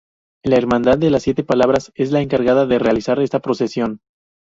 La Hermandad de las Siete Palabras es la encargada de realizar esta procesión.